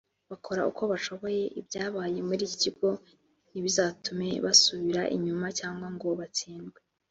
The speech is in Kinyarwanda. bakora uko bashoboye ibyabaye muri iki kigo ntibizatume basubira inyuma cyangwa ngo batsindwe